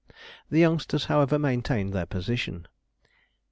The youngsters, however, maintained their position.